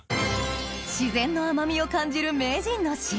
自然の甘みを感じる名人の塩